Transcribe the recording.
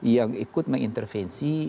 yang ikut mengintervensi